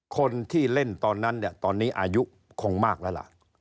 คนที่เล่นตอนนั้นเนี่ยตอนนี้อายุคงมากแล้วล่ะ